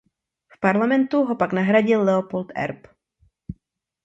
V parlamentu ho pak nahradil Leopold Erb.